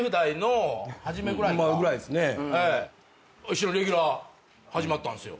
一緒のレギュラー始まったんすよ。